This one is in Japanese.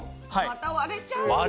また割れちゃうよ。